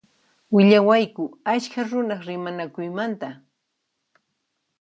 Willawayku askha runaq rimanakuymanta.